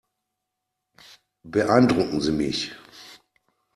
Beeindrucken Sie mich.